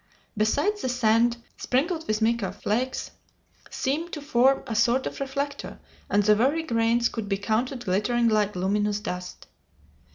Besides, the sand, sprinkled with mica flakes, seemed to form a sort of reflector, and the very grains could be counted glittering like luminous dust.